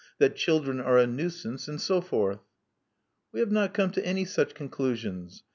That children are a nuisance. And so forth." "We have not come to any such conclusions.